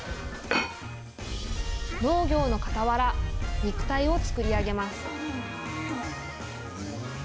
農業のかたわら、肉体を作り上げます。